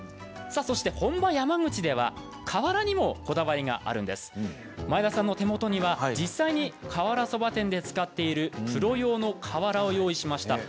本場山口では瓦にもこだわりがあるんです前田さんの手元には実際に瓦そば店で使っているプロ用の瓦をご用意しました。